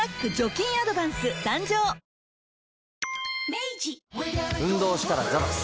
明治運動したらザバス。